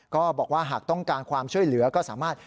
ก็บอกว่าหากต้องการความช่วยเหลือก็สามารถ